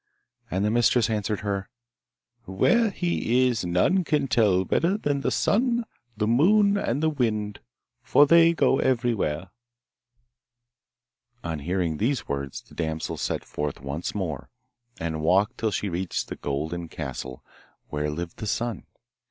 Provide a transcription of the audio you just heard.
And her mistress answered her, 'Where he is, none can tell better than the Sun, the Moon, and the Wind, for they go everywhere!' On hearing these words the damsel set forth once more, and walked till she reached the Golden Castle, where lived the Sun.